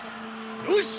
よし！